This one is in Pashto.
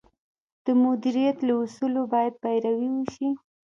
د مدیریت له اصولو باید پیروي وشي.